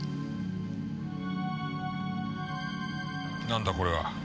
何だこれは？